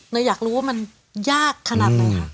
อยากรู้ว่ามันยากขนาดไหนคะ